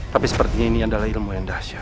tapi sepertinya ini adalah ilmu yang dahsyat